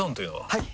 はい！